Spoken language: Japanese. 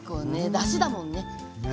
だしだもんねはい。